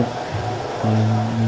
còn người thầy chết